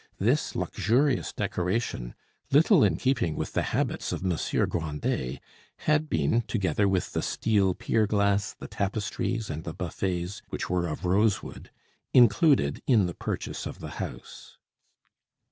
This luxurious decoration, little in keeping with the habits of Monsieur Grandet, had been, together with the steel pier glass, the tapestries, and the buffets, which were of rose wood, included in the purchase of the house.